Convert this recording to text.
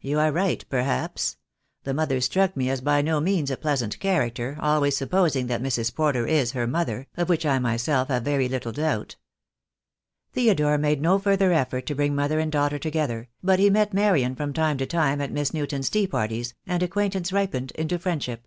"You are right perhaps. The mother struck me as THE DAY WILL COME. 4 I by no means a pleasant character, always supposing that Mrs. Porter is her mother, of which I myself have very little doubt." Theodore made no further effort to bring mother and daughter together, but he met Marian from time to time at Miss Newton's tea parties, and acquaintance ripened into friendship.